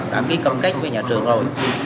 đã ký công kết với nhà trường rồi